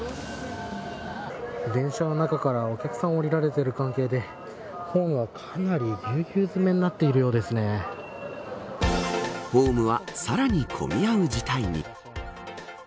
電車の中から、お客さん降りられている関係でホームがかなりぎゅうぎゅう詰めにホームはさらに混み合う事態に。